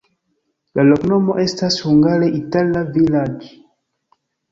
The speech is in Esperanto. La loknomo estas hungare itala-vilaĝ'.